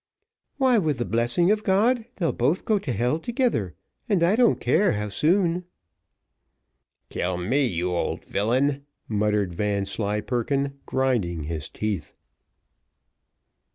"Why, with the blessing of God, they'll both go to hell together, and I don't care how soon." "Kill me, you old villain!" muttered Vanslyperken, grinding his teeth.